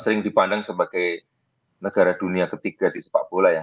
sering dipandang sebagai negara dunia ketiga di sepak bola ya